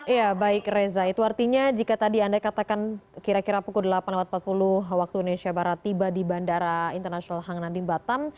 ya baik reza itu artinya jika tadi anda katakan kira kira pukul delapan empat puluh waktu indonesia barat tiba di bandara internasional hang nandim batam